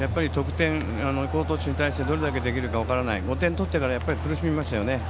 好投手に対してどれだけ得点できるか分からず５点取ってから苦しみましたよね。